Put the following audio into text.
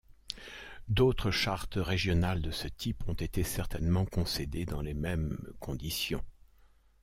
D'autres chartes régionales de ce type ont été certainement concédées dans les mêmes conditions.